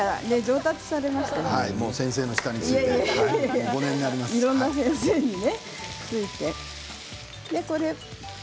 先生の下についていろいろな先生にね。